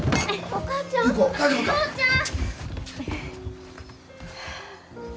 お母ちゃん。